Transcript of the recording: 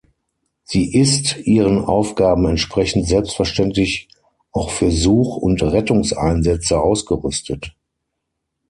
Sie ist ihren Aufgaben entsprechend selbstverständlich auch für Such- und Rettungseinsätze ausgerüstet.